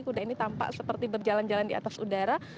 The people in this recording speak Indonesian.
kuda ini tampak seperti berjalan jalan di atas udara